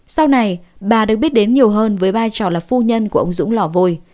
sau này bà được biết đến nhiều hơn với vai trò là phu nhân của ông dũng lò vôi